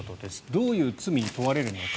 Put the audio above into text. どういう罪に問われるのか。